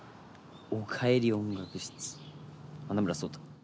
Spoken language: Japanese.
「おかえり音楽室花村想太」。